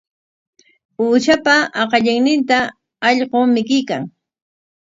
Uushapa aqallinninta allqu mikuykan.